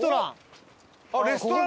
レストラン。